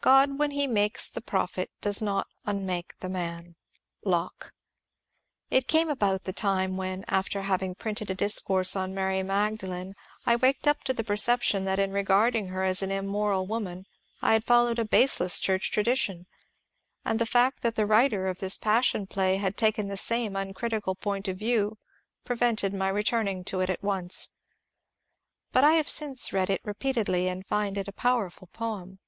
' God when He makes the prophet does not unmake the man.' — Locked It came about the time when, after having printed a discourse on Mary Magda lene, I waked up to the perception that in regarding her as an immoral woman I had followed a baseless church tradi tion ; and the fact that the writer of this passion play had taken the same uncritical point of view prevented my return ing to it at once. But I have since read it repeatedly and find it a powerful poem.